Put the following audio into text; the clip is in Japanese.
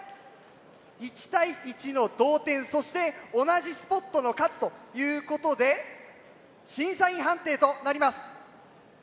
１対１の同点そして同じスポットの数ということで審査員判定となります。